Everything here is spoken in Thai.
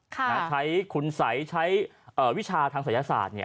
ใช้คุณสัยใช้วิชาทางศัยศาสตร์